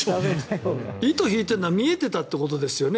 糸を引いているのは見えていたってことですよね。